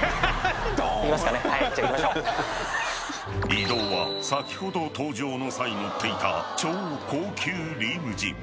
［移動は先ほど登場の際乗っていた超高級リムジン］